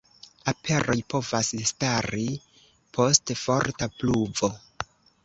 Aperoj povas stari post forta pluvo.